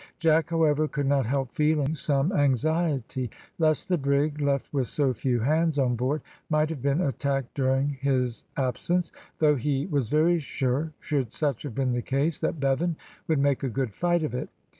Jack, however, could not help feeling some anxiety lest the brig, left with so few hands on board, might have been attacked during his absence, though he was very sure, should such have been the case, that Bevan would make a good fight of it.